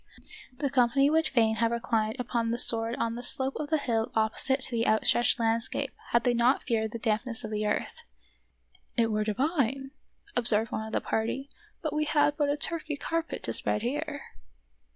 The company would fain have reclined upon the sward on the slope of the hill opposite to the outstretched landscape had they not feared the dampness of the earth. " It were divine," ob served one of the party, "had we but a Turkey carpet to spread here."